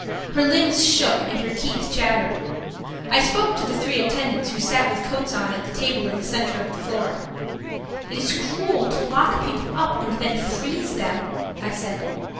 Her limbs shook and her teeth chattered. I spoke to the three attendants who sat with coats on at the table in the center of the floor. "It is cruel to lock people up and then freeze them," I said.